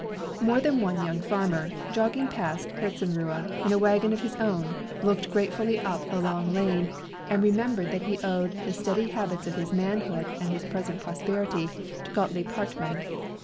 More than one young farmer, jogging past Herzenruhe in a wagon of his own, looked gratefully up the long lane, and remembered that he owed the steady habits of his manhood and his present prosperity to Gottlieb Hartmann.